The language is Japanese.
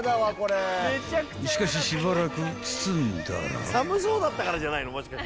［しかししばらく包んだら］